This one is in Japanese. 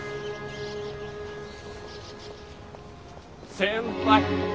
先輩。